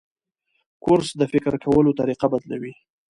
کورس د فکر کولو طریقه بدلوي.